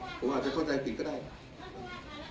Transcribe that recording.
คุณท่านหวังว่าประชาธิบัติไม่ชอบมาตรา๔๔